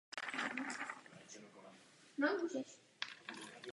Nejmladší hráčka soutěže porazila nejstarší.